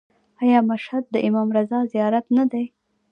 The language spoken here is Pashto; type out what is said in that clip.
آیا مشهد د امام رضا زیارت نه دی؟